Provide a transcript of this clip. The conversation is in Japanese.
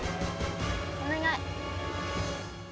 お願い！